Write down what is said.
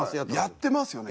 やってますよね？